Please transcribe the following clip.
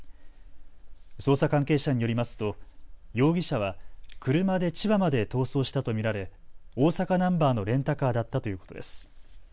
捜査関係者によりますと容疑者は車で千葉まで逃走したと見られ、大阪ナンバーのレンタカーだったということです。